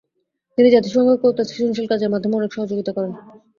তিনি জাতিসংঘকেও তার সৃজনশীল কাজের মাধ্যমে অনেক সহযোগিতা করেন।